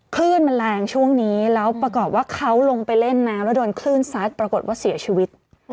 คลื่นมันแรงช่วงนี้แล้วประกอบว่าเขาลงไปเล่นน้ำแล้วโดนคลื่นซัดปรากฏว่าเสียชีวิต